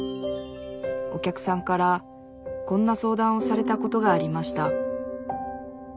お客さんからこんな相談をされたことがありました